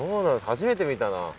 初めて見たな。